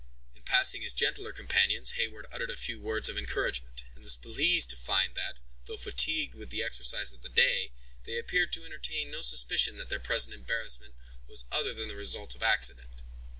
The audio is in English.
In passing his gentler companions Heyward uttered a few words of encouragement, and was pleased to find that, though fatigued with the exercise of the day, they appeared to entertain no suspicion that their present embarrassment was other than the result of accident.